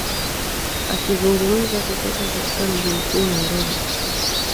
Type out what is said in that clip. akizungumza kutoka katika mji mkuu nairobi